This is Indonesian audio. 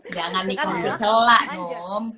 jangan dikonsolah ngom